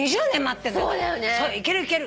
いけるいける。